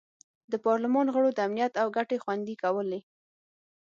د پارلمان غړو د امنیت او ګټې خوندي کولې.